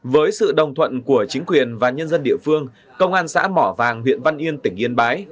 với sự đồng thuận của chính quyền và nhân dân địa phương công an xã mỏ vàng huyện văn yên tỉnh yên bái